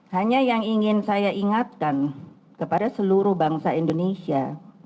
hanya yang ingin saya ingatkan kepada seluruh bangsa indonesia